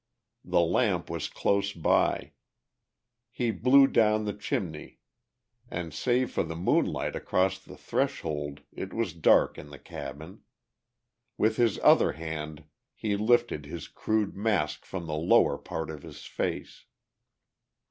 The lamp was close by; he blew down the chimney and save for the moonlight across the threshold it was dark in the cabin. With his other hand he lifted his crude mask from the lower part of his face.